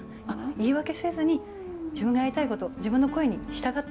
言い訳せずに自分がやりたいこと自分の声に従った。